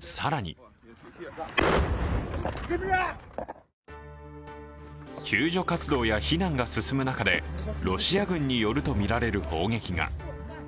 更に救助活動や避難が進む中で、ロシア軍によるとみられる砲撃が。